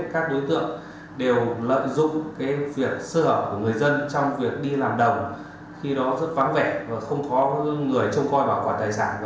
các đối tượng đều lợi dụng việc sơ hở của người dân trong việc đi làm đồng khi đó rất vắng vẻ và không có người trông coi bảo quản tài sản